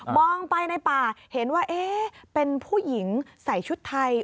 ไปในป่าเห็นว่าเอ๊ะเป็นผู้หญิงใส่ชุดไทย